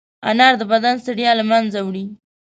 انار د بدن ستړیا له منځه وړي.